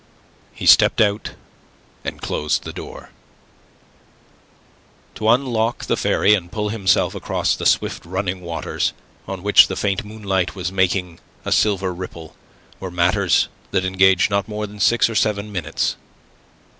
He stepped out and closed the door. To unlock the ferry, and pull himself across the swift running waters, on which the faint moonlight was making a silver ripple, were matters that engaged not more than six or seven minutes.